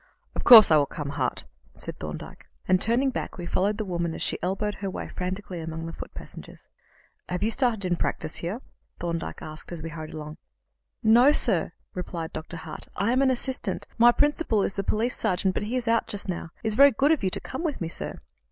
"Of course I will come, Hart," said Thorndyke; and, turning back, we followed the woman as she elbowed her way frantically among the foot passengers. "Have you started in practice here?" Thorndyke asked as we hurried along. "No, sir," replied Dr. Hart; "I am an assistant. My principal is the police surgeon, but he is out just now. It's very good of you to come with me, sir."